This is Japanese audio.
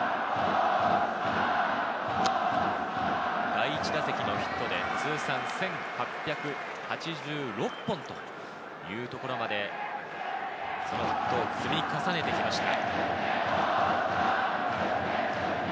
第１打席のヒットで通算１８８６本というところまでそのヒットを積み重ねてきました。